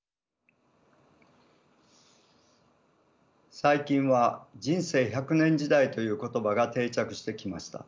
最近は人生１００年時代という言葉が定着してきました。